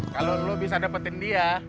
kalau lo bisa dapetin dia